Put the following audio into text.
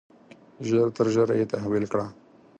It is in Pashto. ژر تر ژره یې تحویل کړه.